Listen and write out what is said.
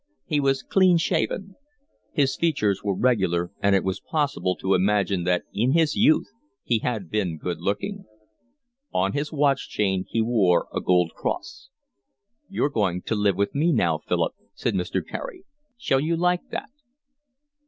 He was clean shaven. His features were regular, and it was possible to imagine that in his youth he had been good looking. On his watch chain he wore a gold cross. "You're going to live with me now, Philip," said Mr. Carey. "Shall you like that?"